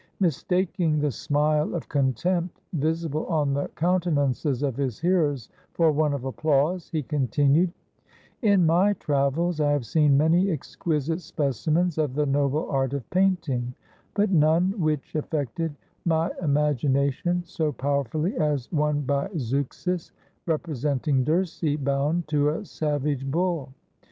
Mistaking the smile of contempt visible on the coun tenances of his hearers for one of applause, he con tinued: *'In my travels, I have seen many exquisite specimens of the noble art of painting, but none which affected my imagination so powerfully as one by Zeuxis, representing Dirce bound to a savage bull.